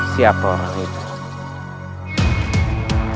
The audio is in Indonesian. siapa orang itu